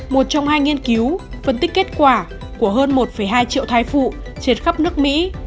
một trong hai nghiên cứu phân tích kết quả của hơn một hai triệu thai phụ trên khắp nước mỹ